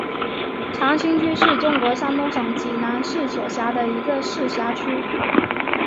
长清区是中国山东省济南市所辖的一个市辖区。